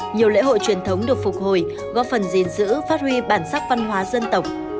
nhiều lễ hội truyền thống được phục hồi góp phần gìn giữ phát huy bản sắc văn hóa dân tộc